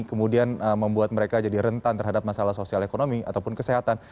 kemudian membuat mereka jadi rentan terhadap masalah sosial ekonomi ataupun kesehatan